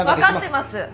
分かってます